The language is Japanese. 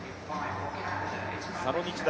佐野日大